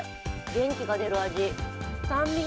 元気が出る味。